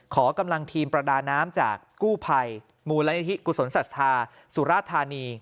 ขอกำลังทีมประดาน้ำจากกู้ภัยมูลนิธิกุศลศรัทธาสุราธานี